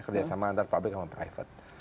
kerjasama antar public sama private